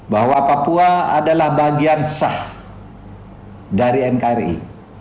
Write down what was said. bahwa papua adalah bagian sah dari nkri